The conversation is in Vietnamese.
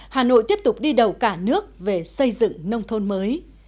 hà nội tiếp tục đi đầu cả nước về xây dựng nông thôn mới